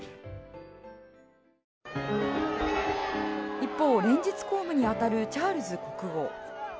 一方、連日公務に当たるチャールズ国王。